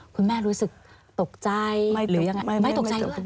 คุณแม่รู้สึกตกใจหรือยังไงไม่ตกใจเลย